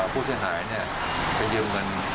ผู้เสียหายเป็นเงิน